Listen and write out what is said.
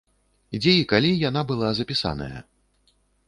Дзе і калі яна была запісаная?